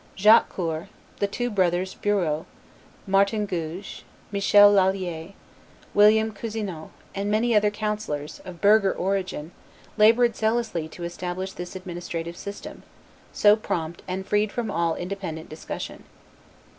Jacques Coeur, the two brothers Bureau, Martin Gouge, Michel Lailler, William Cousinot, and many other councillors, of burgher origin, labored zealously to establish this administrative system, so prompt and freed from all independent discussion.